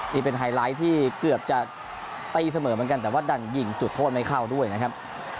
นี่เป็นไฮไลท์ที่เกือบจะตีเสมอเหมือนกันแต่ว่าดันยิงจุดโทษไม่เข้าด้วยนะครับ